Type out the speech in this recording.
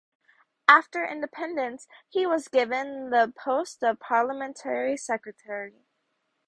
After Independence, he was given the post of Parliamentary Secretary.